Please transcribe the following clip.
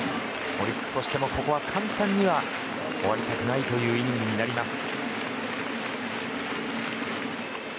オリックスとしてもここは簡単には終わりたくないイニングになります。